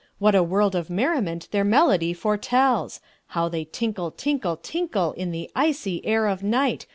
What a world of merriment their melody foretells! How they tinkle, tinkle, tinkle, In the icy air of night!